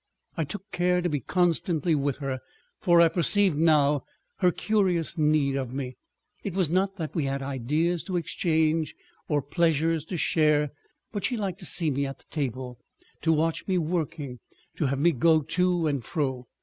I took care to be constantly with her, for I perceived now her curious need of me. It was not that we had ideas to exchange or pleasures to share, but she liked to see me at table, to watch me working, to have me go to and fro.